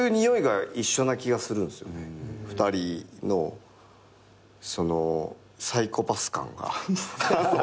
２人のそのサイコパス感が。ハハハ！